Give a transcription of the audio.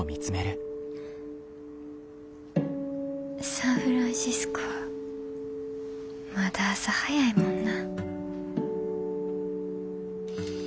サンフランシスコはまだ朝早いもんな。